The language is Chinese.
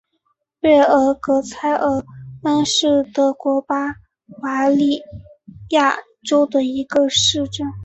贝尔格莱尔恩是德国巴伐利亚州的一个市镇。